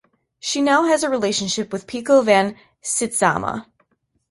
She now has a relationship with Pico van Sytzama.